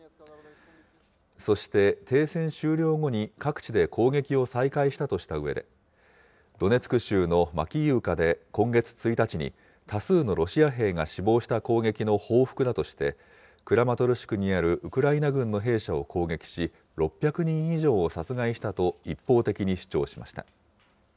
そして停戦終了後に各地で攻撃を再開したとしたうえで、ドネツク州のマキイウカで今月１日に、多数のロシア兵が死亡した攻撃の報復だとして、クラマトルシクにあるウクライナ軍の兵舎を攻撃し、６００人以上を殺害したと一方的に主張しました。